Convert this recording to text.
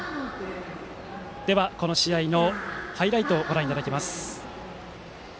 では、この試合のハイライトをご覧いただきます。